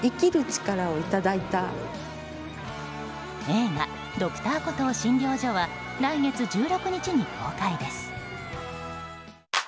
映画「Ｄｒ．コトー診療所」は来月１６日に公開です。